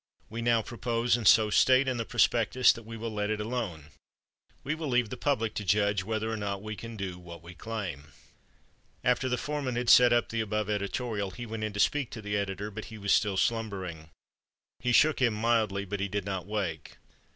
We now propose, and so state in the prospectus, that we will let it alone. We leave the public to judge whether or not we can do what we claim." After the foreman had set up the above editorial, he went in to speak to the editor, but he was still slumbering. He shook him mildly, but he did not wake.